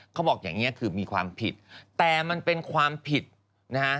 เขาบอกอย่างนี้คือมีความผิดแต่มันเป็นความผิดนะฮะ